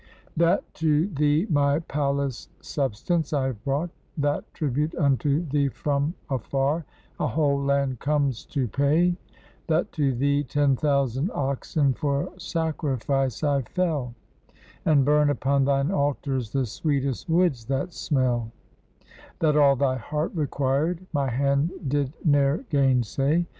156 THE VICTORY OVER THE KHITA That to thee my palace substance I have brought, That tribute unto thee from afar A whole land comes to pay, That to thee ten thousand oxen for sacrifice I fell, And burn upon thine altars the sweetest woods that smell; That all thy heart required, my hand did ne'er gainsay?